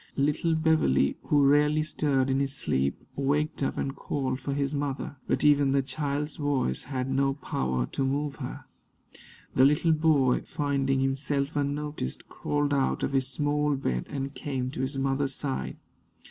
Little Beverley, who rarely stirred in his sleep, waked up and called for his mother; but even the child's voice had no power to move her. The little boy, finding himself unnoticed, crawled out of his small bed and came to his mother's side.